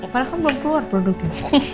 padahal kan belum keluar produknya